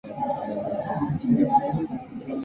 后来勒夏特列发现爆炸缘于设备之中的空气。